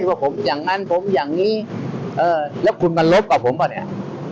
ว่าผมอย่างนั้นผมอย่างนี้เออแล้วคุณมาลบกับผมป่ะเนี่ย